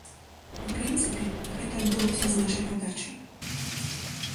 У прынцыпе, гэта адбылося з нашай падачы.